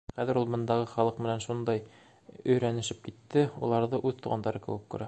Хәҙер ул бындағы халыҡ менән шундай өйрәнешеп китте, уларҙы үҙ туғандары кеүек күрә.